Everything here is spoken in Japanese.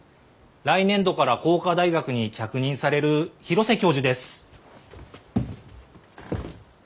来年度から工科大学に着任される広瀬教授です。